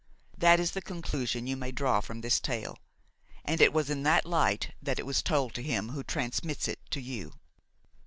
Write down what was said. That is the conclusion you may draw from this tale, and it was in that light that it was told to him who transmits it to you.